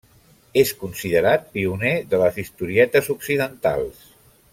És considerat pioner de les historietes occidentals.